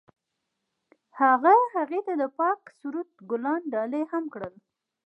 هغه هغې ته د پاک سرود ګلان ډالۍ هم کړل.